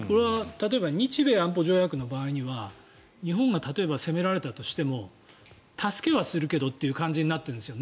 例えば日米安保条約の場合には日本が例えば攻められたとしても助けはするけどという感じになってるんですよ。